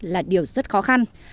là điều rất khó khăn